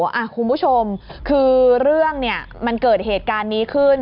โอ้โหคุณผู้ชมคือเรื่องมันเกิดเหตุการณ์นี้ขึ้น